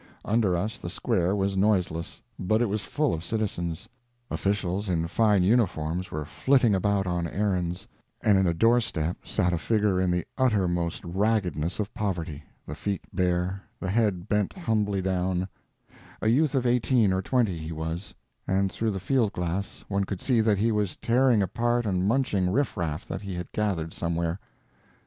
Under us the square was noiseless, but it was full of citizens; officials in fine uniforms were flitting about on errands, and in a doorstep sat a figure in the uttermost raggedness of poverty, the feet bare, the head bent humbly down; a youth of eighteen or twenty, he was, and through the field glass one could see that he was tearing apart and munching riffraff that he had gathered somewhere.